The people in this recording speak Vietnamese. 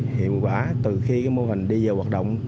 hiệu quả từ khi mô hình đi vào hoạt động